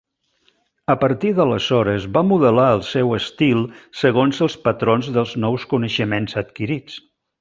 A partir d'aleshores va modelar el seu estil segons els patrons dels nous coneixements adquirits.